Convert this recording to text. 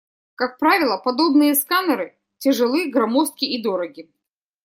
Как правило, подобные сканеры тяжелы, громоздки и дороги.